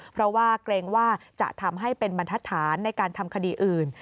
เพราะว่าเกรงว่าจะทำให้เป็นบรรทัศนในการทำคดีอื่น